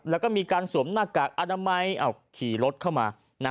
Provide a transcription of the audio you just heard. แล้วก็มีการสวมหน้ากากอนามัยขี่รถเข้ามา